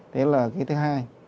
thế là cái thứ hai